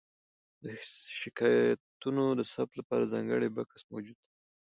د شکایتونو د ثبت لپاره ځانګړی بکس موجود دی.